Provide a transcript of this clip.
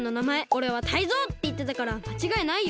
「おれはタイゾウ！」っていってたからまちがいないよ。